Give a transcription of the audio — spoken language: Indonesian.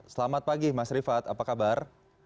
selamat pagi mas rifat apa kabar